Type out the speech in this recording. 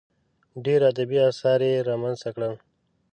ډېر ادبي اثار یې رامنځته کړل.